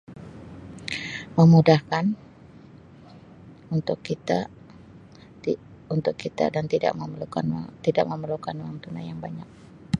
Memudahkan untuk kita tid untuk kita dan tidak memerlukan wang tidak memerlukan wang tunai yang banyak.